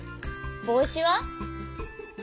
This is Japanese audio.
ぼうしは？